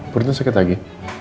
pertanyaan sakit lagi